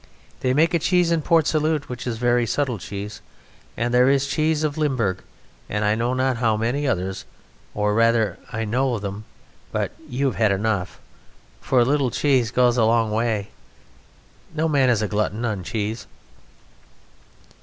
They make a cheese in Port Salut which is a very subtle cheese, and there is a cheese of Limburg, and I know not how many others, or rather I know them, but you have had enough: for a little cheese goes a long way. No man is a glutton on cheese.